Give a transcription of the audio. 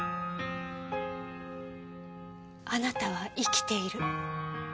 あなたは生きている。